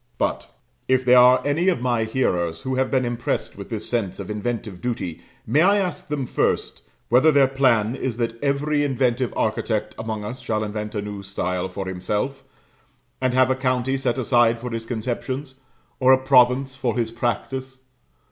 But, if there are any of my hearers who have been impressed with this sense of inventive duty, may I ask them first, whether their plan is that every inventive architect among us shall invent a new style for himself, and have a county set aside for his conceptions, or a province for his practice?